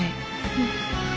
うん。